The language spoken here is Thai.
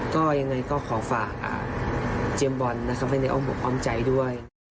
ก็อย่างไรขอฝากเจมส์บอนตร์เข้าไปในอ้อมอกอ้อมใจด้วย